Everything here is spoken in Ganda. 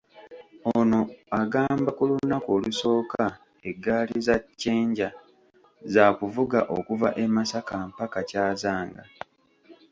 Ono agamba ku lunaku olusooka eggaali za ‘ccenja’ zaakuvuga okuva e Masaka mpaka Kyazanga .